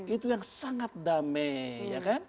itu yang sangat damai